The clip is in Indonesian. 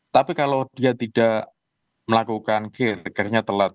tapi kalau dia tidak melakukan akhirnya telat